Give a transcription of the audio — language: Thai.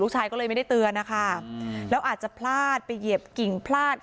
ชายก็เลยไม่ได้เตือนนะคะแล้วอาจจะพลาดไปเหยียบกิ่งพลาด